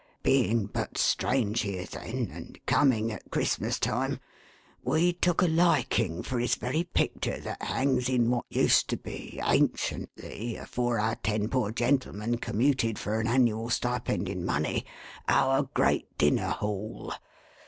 Being but strange here, then, and coming at Christmas time, we took a liking for his very picter that hangs in what used to be, anciently, afore our ten poor gentlemen commuted for an annual stipend in money, our great Dinner Hall.